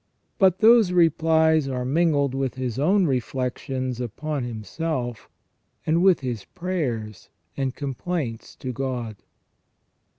But those replies are mingled with his own reflections upon himself, and with his prayers and complaints to God.